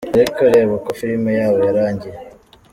Ariko reba uko filime yabo yarangiye!